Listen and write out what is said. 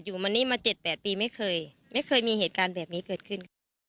อยู่วันนี้มาเจ็ดแปดปีไม่เคยไม่เคยมีเหตุการณ์แบบนี้เกิดขึ้น